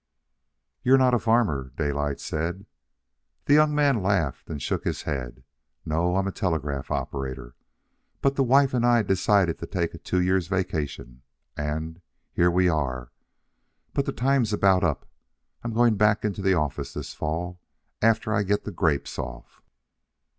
"You're not a farmer," Daylight said. The young man laughed and shook his head. "No; I'm a telegraph operator. But the wife and I decided to take a two years' vacation, and ... here we are. But the time's about up. I'm going back into the office this fall after I get the grapes off."